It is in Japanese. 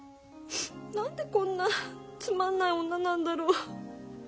何でこんなつまんない女なんだろう。